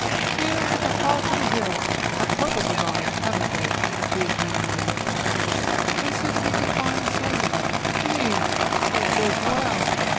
"Tales of the 'Heart of the Hills' have puzzled the Raj, haven't they, these many years? They sent me to find the source of them. Me! They chose well!